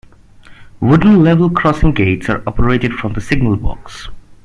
Wooden level crossing gates are operated from the signalbox.